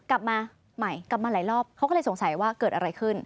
กลับมาใหม่กลับมาหลายรอบเขาก็เลยสงสัยว่าเกิดอะไรขึ้น